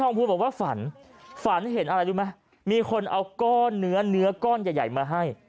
โฮมผลุกบอกว่าฝันเห็นอะไรดูมะมีคนเอาก้อนเนื้อเนื้อก้อนใหญ่มาให้